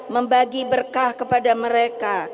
membagi berkah kepada manusia